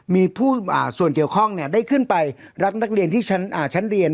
มีผู้ส่วนเกี่ยวข้องได้ขึ้นไปรับนักเรียนที่ชั้นเรียน